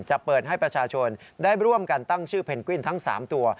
จะเปิดให้ประชาชนได้ร่วมกันตั้งชื่อเพนกวินทั้ง๓ตัว